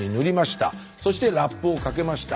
そしてラップをかけました。